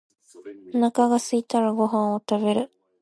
お腹がすいたらご飯を食べる。